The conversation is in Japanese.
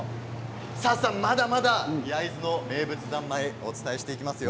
まだまだ、焼津の名物三昧お伝えしていきます。